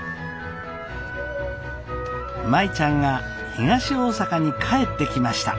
舞ちゃんが東大阪に帰ってきました。